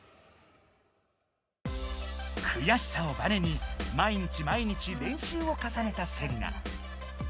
くやしさをバネに毎日毎日練習を重ねたセリナ。